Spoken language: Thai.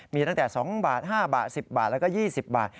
มีตั้งแต่๒บาท๕บาท๑๐บาทแล้วก็๒๐บาท